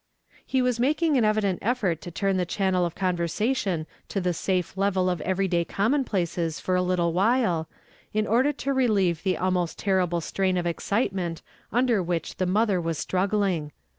He was makinof an evident effort to turn the channel of conversation to the safe level of every tlay conunonplaces for a little while, in order to relieve the almost terrible strain of excitement under which the mother was struggling.